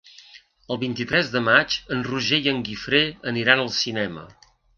El vint-i-tres de maig en Roger i en Guifré aniran al cinema.